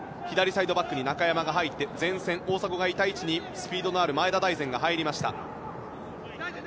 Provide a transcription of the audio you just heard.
左サイドバックに中山が入って大迫のいた位置にスピードのある前田大然が入りました。